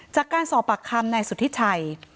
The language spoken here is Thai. จากการสอบปากคำนายสุธิชัย